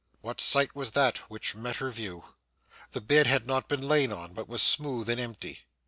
What sight was that which met her view! The bed had not been lain on, but was smooth and empty.